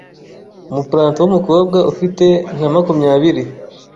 umuplanto w'umukobwa ufite nka makumyabiri